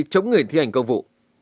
chống người thi hành công vụ